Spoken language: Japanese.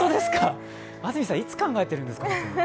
安住さん、いつ考えているんですか？